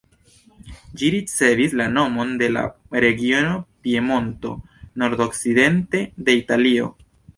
Ĝi ricevis la nomon de la regiono Piemonto, nordokcidente de Italio.